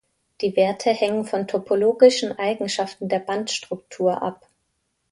Die Werte hängen von topologischen Eigenschaften der Bandstruktur ab.